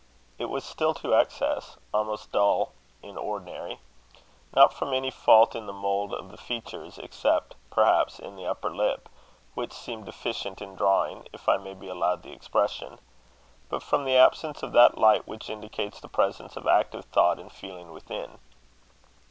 It was still to excess almost dull in ordinary; not from any fault in the mould of the features, except, perhaps, in the upper lip, which seemed deficient in drawing, if I may be allowed the expression; but from the absence of that light which indicates the presence of active thought and feeling within.